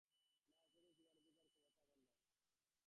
না, উপদেশ দিবার অধিকার ও ক্ষমতা আমার নাই।